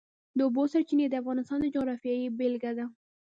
د اوبو سرچینې د افغانستان د جغرافیې بېلګه ده.